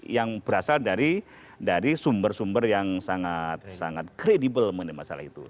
yang berasal dari sumber sumber yang sangat sangat kredibel mengenai masalah itu